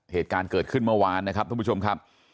เหตุการณ์เกิดขึ้นเมื่อวานนะครับทุกผู้ชมครับ